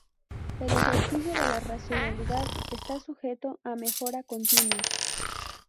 El ejercicio de la racionalidad está sujeto a mejora continua.